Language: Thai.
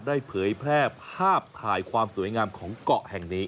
เผยแพร่ภาพถ่ายความสวยงามของเกาะแห่งนี้